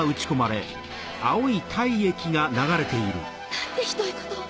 何てひどいことを。